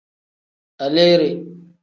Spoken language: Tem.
Aleere.